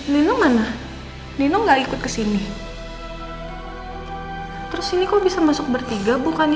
lino mana lino nggak ikut kesini terus ini kok bisa masuk bertiga bukannya